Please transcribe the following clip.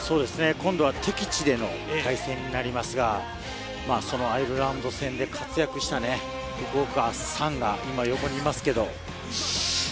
今度は敵地での対戦になりますが、そのアイルランド戦で活躍した福岡さんが今横にいますけど。